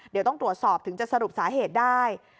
เดี๋ยวต้องตรวจสอบถึงจะสรุปสาเหตุได้